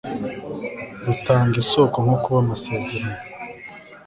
rutanga isoko nko kuba amasezerano